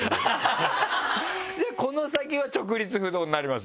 じゃあこの先は直立不動になります？